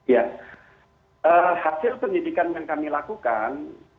ya hasil pendidikan yang kami lakukan